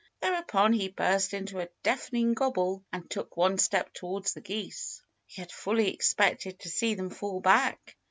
Thereupon he burst into a deafening gobble and took one step towards the geese. He had fully expected to see them fall back.